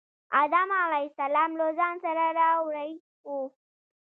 آدم علیه السلام له ځان سره راوړی و.